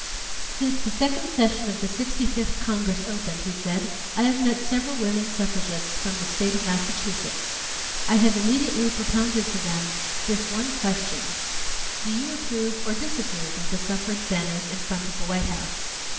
"Since the second session of the Sixty fifth Congress opened," he said, "I have met several women suffragists from the State of Massachusetts. I have immediately propounded to them this one question: 'Do you approve or disapprove of the suffrage banners in front of the White House